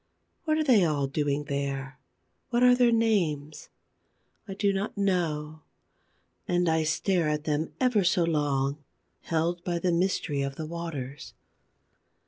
What are they all doing there? What are their names? I do not know. And I stare at them for ever so long, held by the mystery of the waters.